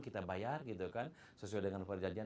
kita bayar sesuai dengan perjanjian